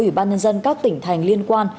ủy ban nhân dân các tỉnh thành liên quan